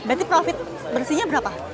berarti profit bersihnya berapa